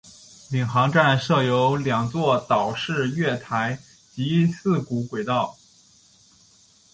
领航站设有两座岛式月台及四股轨道。